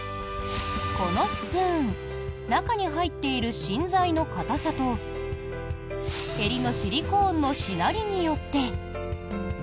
このスプーン中に入っている芯材の硬さとへりのシリコーンのしなりによって。